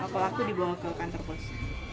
pelaku dibawa ke kantor pos